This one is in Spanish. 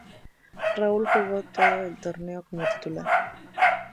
Raúl jugó todo el torneo como titular.